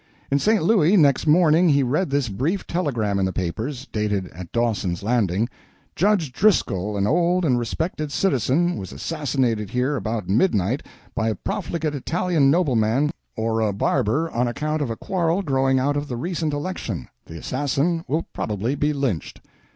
In St. Louis, next morning, he read this brief telegram in the papers dated at Dawson's Landing: Judge Driscoll, an old and respected citizen, was assassinated here about midnight by a profligate Italian nobleman or barber on account of a quarrel growing out of the recent election. The assassin will probably be lynched.